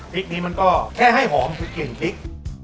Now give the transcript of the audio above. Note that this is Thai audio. พริกนี้มันก็แค่ให้หอมคือกลิ่นพริก